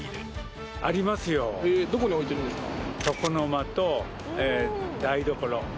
どこに置いてるんですか？